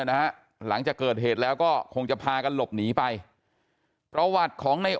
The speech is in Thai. นะฮะหลังจากเกิดเหตุแล้วก็คงจะพากันหลบหนีไปประวัติของใน